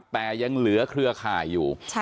แต่ยังเหลือเครือข่ายอยู่